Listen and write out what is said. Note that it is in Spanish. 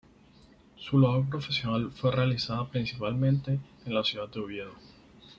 Su labor profesional fue realizada principalmente en la ciudad de Oviedo.